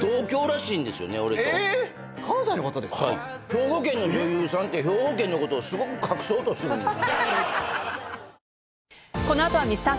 兵庫県の女優さんって兵庫県のことをすごく隠そうとするんです。